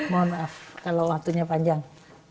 mohon maaf kalau waktunya panjang